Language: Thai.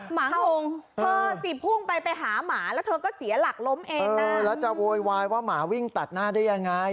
หมาเห่าเธอสิพุ่งไปไปหาหมาแล้วเธอก็เสียหลักล้มเองนะแล้วจะโวยวายว่าหมาวิ่งตัดหน้าได้ยังไง